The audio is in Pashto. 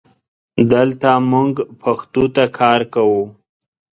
دلته مونږ پښتو ته کار کوو